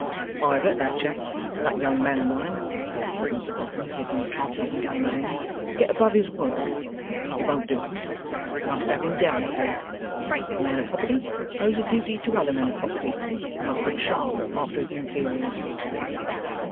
'I have let that chap, that young man of mine,' said Mr Boffin, taking a trot up and down the room, 'get above his work. It won't do. I must have him down a peg. A man of property owes a duty to other men of property, and must look sharp after his inferiors.